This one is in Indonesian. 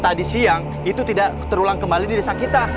tadi siang itu tidak terulang kembali di desa kita